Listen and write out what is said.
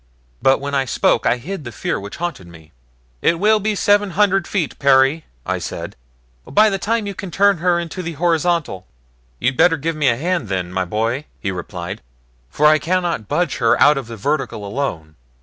But when I spoke I hid the fear which haunted me. "It will be seven hundred feet, Perry," I said, "by the time you can turn her into the horizontal." "You'd better lend me a hand then, my boy," he replied, "for I cannot budge her out of the vertical alone.